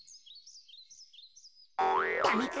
ダメか。